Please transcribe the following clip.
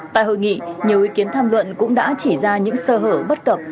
tại hội nghị nhiều ý kiến tham luận cũng đã chỉ ra những sơ hở bất cập